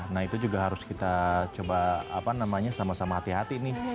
nah itu juga harus kita coba sama sama hati hati nih